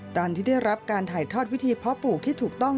ตอนที่ได้รับการถ่ายทอดวิธีเพาะปลูกที่ถูกต้อง